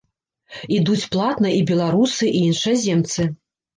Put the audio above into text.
Ідуць платна і беларусы, і іншаземцы.